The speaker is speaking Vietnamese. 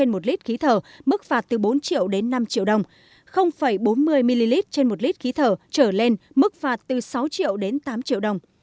bốn mươi ml trên một lít khí thở trở lên mức phạt từ sáu triệu đến tám triệu đồng